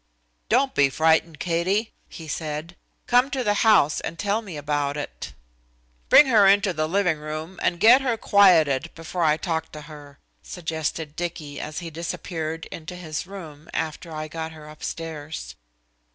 "Don't be frightened, Katie," he said. Come to the house and tell me about it." "Bring her into the living room and get her quieted before I talk to her," suggested Dicky, as he disappeared into his room after I had got her upstairs.